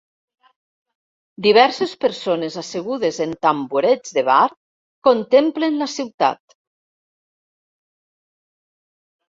Diverses persones assegudes en tamborets de bar contemplen la ciutat.